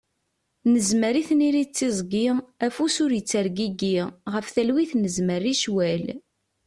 Nezmer i tniri d tiẓgi, afus ur ittergigi, ɣef talwit nezmer i ccwal.